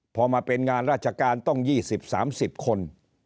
พอมาเป็นงานราชการต้อง๒๐๓๐คน